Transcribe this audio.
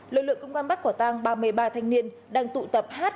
lực lượng công an bắt quả tang ba mươi ba thanh niên đang tụ tập hát